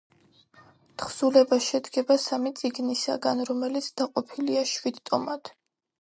თხზულება შედგება სამი წიგნისაგან, რომელიც დაყოფილია შვიდ ტომად.